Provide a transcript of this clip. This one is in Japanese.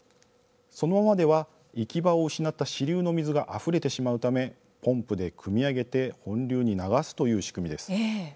そのままでは行き場を失った支流の水があふれてしまうためポンプでくみ上げて本流に流すという仕組みです。